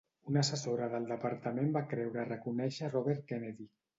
Una assessora del departament va creure reconèixer Robert Kennedy.